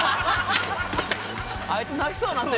あいつ泣きそうなって。